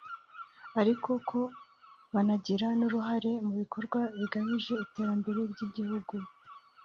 ariko ko banagira n’uruhare mu bikorwa bigamije iterambere ry’igihugu